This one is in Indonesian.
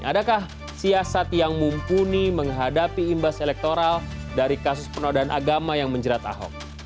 adakah siasat yang mumpuni menghadapi imbas elektoral dari kasus penodaan agama yang menjerat ahok